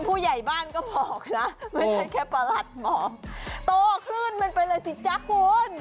ผู้ใหญ่บ้านก็บอกนะไม่ใช่แค่ประหลัดหมอโตขึ้นมันไปเลยสิจ๊ะคุณ